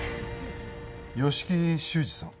吉木修二さん